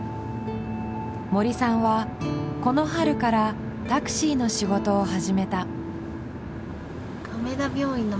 森さんはこの春からタクシーの仕事を始めた。